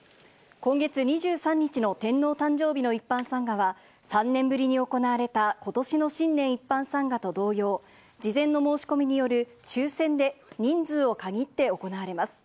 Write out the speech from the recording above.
今月２３日の天皇誕生日の一般参賀は３年ぶりに行われた今年の新年一般参賀と同様、事前の申し込みによる抽選で人数を限って行われます。